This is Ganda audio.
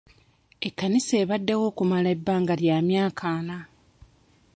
Ekkanisa ebaddewo okumala ebbanga lya myaka ana.